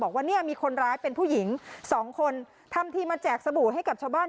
บอกว่าเนี่ยมีคนร้ายเป็นผู้หญิงสองคนทำทีมาแจกสบู่ให้กับชาวบ้าน